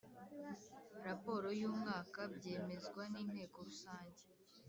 Raporo y’umwaka byemezwa n’Inteko Rusange;